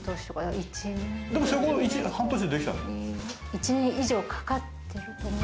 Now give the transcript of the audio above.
１年以上かかってると思う。